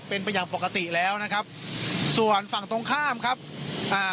เป็นไปอย่างปกติแล้วนะครับส่วนฝั่งตรงข้ามครับอ่า